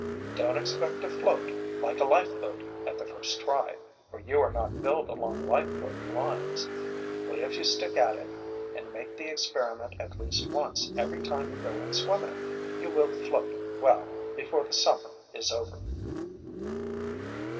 Don't expect to float like a life boat at the first try, for you are not built along life boat lines; but if you stick at it, and make the experiment at least once every time you go in swimming, you will float well before the summer is over.